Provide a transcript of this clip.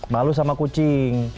malu sama kucing